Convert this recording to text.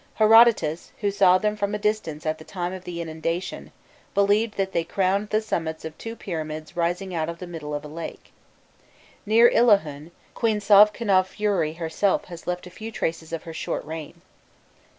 Herodotus, who saw them from a distance at the time of the inundation, believed that they crowned the summits of two pyramids rising out of the middle of a lake. Near Illahun, Queen Sovkûnofriûri herself has left a few traces of her short reign.